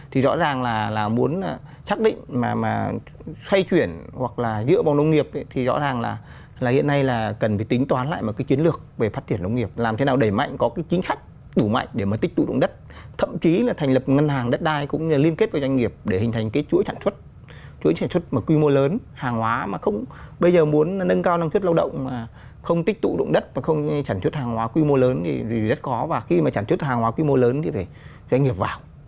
thì rõ ràng là muốn chắc định mà xoay chuyển hoặc là dựa vào nông nghiệp thì rõ ràng là hiện nay là cần phải tính toán lại một cái chiến lược về phát triển nông nghiệp làm thế nào để mạnh có cái chính khách đủ mạnh để mà tích tụ động đất thậm chí là thành lập ngân hàng đất đai cũng liên kết với doanh nghiệp để hình thành cái chuỗi sản xuất chuỗi sản xuất mà quy mô lớn hàng hóa mà không bây giờ muốn nâng cao năng suất lao động mà không tích tụ động đất và không sản xuất hàng hóa quy mô lớn thì rất khó và khi mà sản xuất hàng hóa quy mô lớn thì phải doanh nghiệp vào